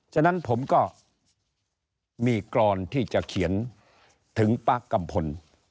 ฉะนั้นผมก็มีกรอนที่จะเขียนถึงป๊ากัมพล